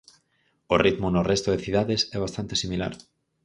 O ritmo no resto de cidades é bastante similar.